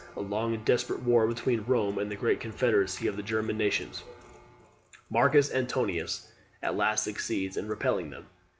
A long and desperate war between Rome and a great confederacy of the German nations. Marcus Antoninus at last succeeds in repelling them.